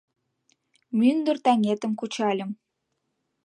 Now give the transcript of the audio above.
Мӱндыр таҥетым кучальым